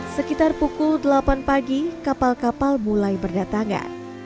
sekitar pukul delapan pagi kapal kapal mulai berdatangan